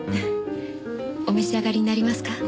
お召し上がりになりますか？